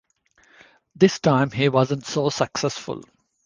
This time he wasn't so successful.